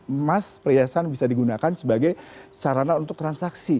emas perhiasan bisa digunakan sebagai sarana untuk transaksi